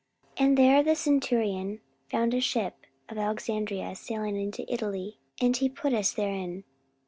44:027:006 And there the centurion found a ship of Alexandria sailing into Italy; and he put us therein.